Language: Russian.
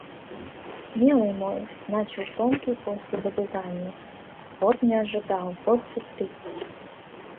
— Милый мой! — начал тонкий после лобызания.— Вот не ожидал! Вот сюрприз!